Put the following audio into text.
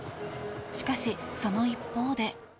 しかし、その一方で。